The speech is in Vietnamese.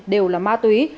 đều là ma túy